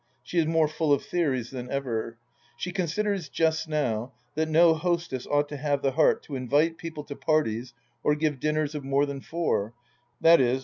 She is more full of theories than ever. She considers just now, that no hostess ought to have the heart to invite people to parties or give dinners of more than four, i,e.